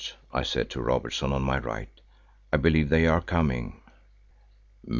I said to Robertson on my right, "I believe they are coming."